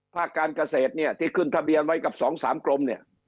ภาคการเกษตรที่ขึ้นทะเบียนไว้กับสองสามกลม